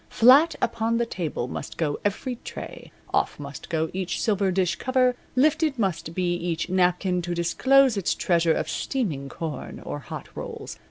Flat upon the table must go every tray, off must go each silver dish cover, lifted must be each napkin to disclose its treasure of steaming corn or hot rolls.